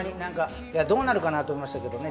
いやどうなるかなと思いましたけどね